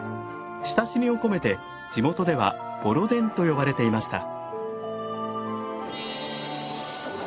親しみを込めて地元では「ボロ電」と呼ばれていました。